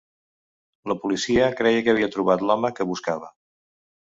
La policia creia que havia trobat l'home que buscava.